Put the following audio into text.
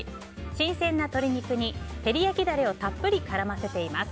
新鮮な鶏肉に、照り焼きダレをたっぷり絡ませています。